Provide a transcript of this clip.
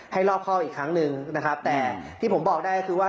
รอบข้ออีกครั้งหนึ่งนะครับแต่ที่ผมบอกได้ก็คือว่า